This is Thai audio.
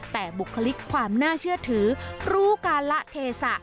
แต่บุคลิกความน่าเชื่อถือรู้การละเทศะ